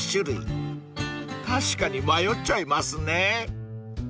［確かに迷っちゃいますね］